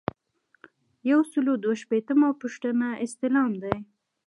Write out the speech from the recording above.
یو سل او دوه شپیتمه پوښتنه استعلام دی.